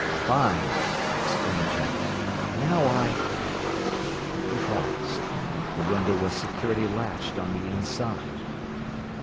"Fine!" exclaimed Jack. "Now I " He paused. The window was securely latched on the inside!